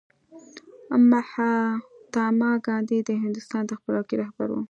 مهاتما ګاندي د هندوستان د خپلواکۍ رهبر و.